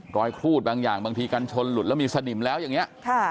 ครูดบางอย่างบางทีกันชนหลุดแล้วมีสนิมแล้วอย่างนี้